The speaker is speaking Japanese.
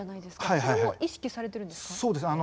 それも意識されてるんですか？